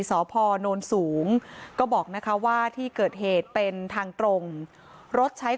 สพนสูงก็บอกนะคะว่าที่เกิดเหตุเป็นทางตรงรถใช้